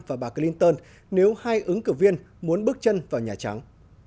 và bà clinton nếu hai ứng cử viên muốn bước chân vào nhà trắng